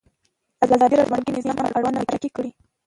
ازادي راډیو د بانکي نظام اړوند مرکې کړي.